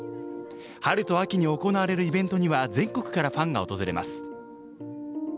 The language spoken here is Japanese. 春と秋に行われるイベントには全国からファンが訪れます。